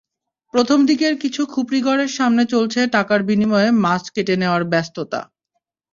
প্রথম দিকের কিছু খুপরিঘরের সামনে চলছে টাকার বিনিময়ে মাছ কেটে নেওয়ার ব্যস্ততা।